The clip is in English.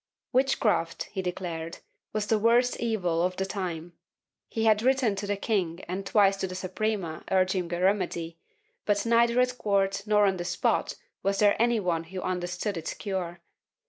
Witchcraft, he declared, was the worst evil of the time; he had written to the king and twice to the Suprema urging a remedy, but neither at court nor on the spot was there any one who under stood its cure.